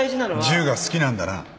銃が好きなんだな。